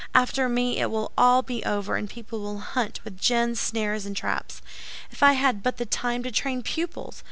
After me it will all be over, and people will hunt with gins, snares, and traps. If I had but the time to train pupils!